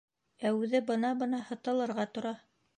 Ә үҙе бына-бына һытылырға тора.